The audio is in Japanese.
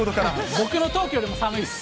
僕のトークよりも寒いです。